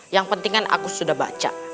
yang penting kan aku sudah baca